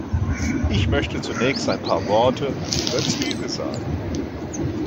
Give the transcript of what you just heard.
Ich möchte zunächst ein paar Worte über Züge sagen.